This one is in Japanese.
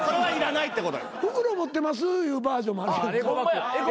袋持ってますいうバージョンもあるやんか。